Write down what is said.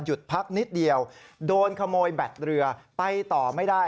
พักนิดเดียวโดนขโมยแบตเรือไปต่อไม่ได้